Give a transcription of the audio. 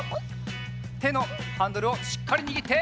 てのハンドルをしっかりにぎって！